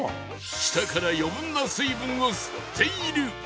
下から余分な水分を吸っている